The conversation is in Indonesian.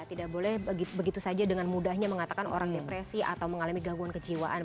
tidak boleh begitu saja dengan mudahnya mengatakan orang depresi atau mengalami gangguan kejiwaan